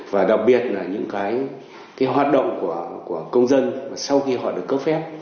và đặc biệt là những cái hoạt động của công dân mà sau khi họ được cấp phép